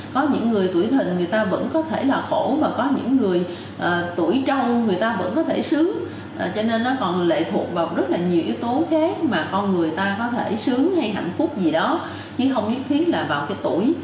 chỉ không nhất thiết là vào cái tuổi